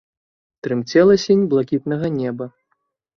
Трымцела сінь блакітнага неба.